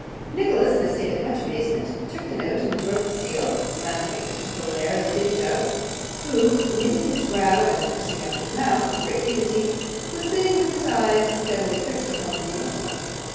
Nicholas, in a state of much amazement, took the note and broke the seal, glancing at Mr. Folair as he did so, who, knitting his brow and pursing up his mouth with great dignity, was sitting with his eyes steadily fixed upon the ceiling.